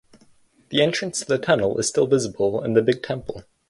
The entrance to the tunnel is still visible in the big temple.